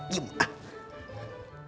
jangan lama ya